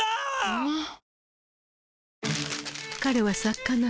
うまっ！！